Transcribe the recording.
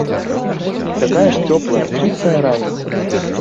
Такая ж цёплая, чыстая раніца!